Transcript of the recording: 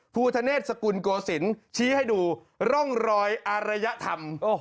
ภูทะเนศสกุลโกศิลป์ชี้ให้ดูร่องรอยอารยธรรม